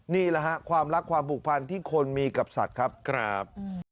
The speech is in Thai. นี่แหละฮะความรักความผูกพันที่คนมีกับสัตว์ครับครับ